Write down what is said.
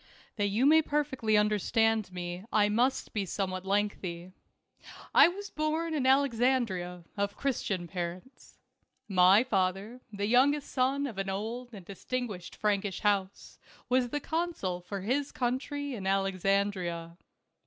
HAT you may perfectly understand me I must be somewhat lengthy. I was born in Alexandria, of Christian parents. My father, the youngest son of an old and distinguished Frankish house, was the consul for his country in Alexandria.